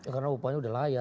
karena upahnya udah layak